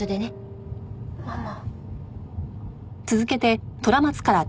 ママ。